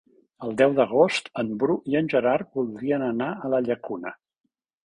El deu d'agost en Bru i en Gerard voldrien anar a la Llacuna.